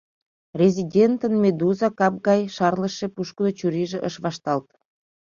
Резидентын медуза кап гай шарлыше пушкыдо чурийже ыш вашталт.